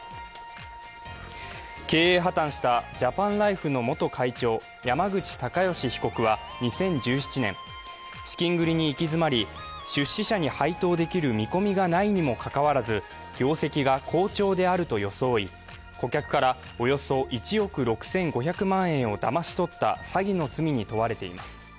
経営破綻したジャパンライフの元会長、山口隆祥被告は２０１７年、資金繰りに行き詰まり出資者に配当できる見込みがないにもかかわらず、業績が好調であると装い顧客からおよそ１億６５００万円をだまし取った詐欺の罪に問われています。